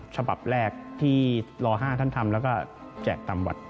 ฉบับแรกที่รอห้าท่านทำแล้วก็แจกตามวัตต์